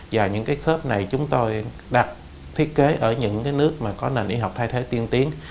và những khớp này chúng tôi đặt thiết kế ở những nước có nền y học thay thế tiên tiến